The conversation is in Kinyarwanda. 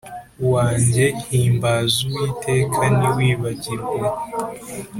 wanjye himbaza uwiteka ntiwibagirwe